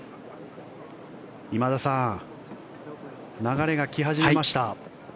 今田さん流れが来始めました。